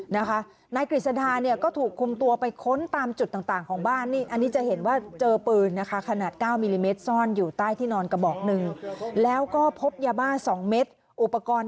แน๊ะกริสดาก็ถูกคุมตัวไปค้นตามจุดต่างของปากบ้าน